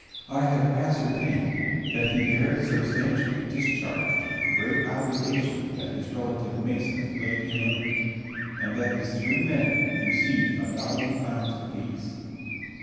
I have ascertained that he very substantially discharged the great obligation that his relative Mason laid him under, and that his three men received a thousand pounds apiece.